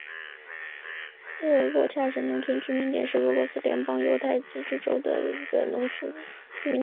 沃洛恰耶夫卡农村居民点是俄罗斯联邦犹太自治州斯米多维奇区所属的一个农村居民点。